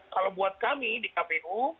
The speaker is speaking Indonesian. kalau buat kami di kpu